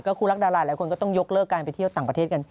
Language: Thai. คู่รักดาราหลายคนก็ต้องยกเลิกการไปเที่ยวต่างประเทศกัน